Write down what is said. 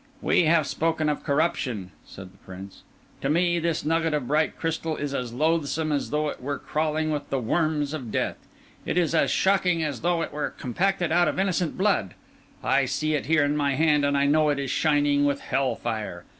"We have spoken of corruption," said the Prince. "To me this nugget of bright crystal is as loathsome as though it were crawling with the worms of death; it is as shocking as though it were compacted out of innocent blood. I see it here in my hand, and I know it is shining with hell fire.